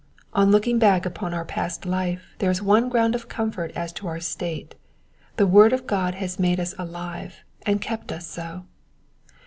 On looking back upon our past life there is one ground of comfort as to our state— the word of God has made us alive, and kept us so.